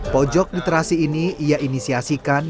pojok literasi ini ia inisiasikan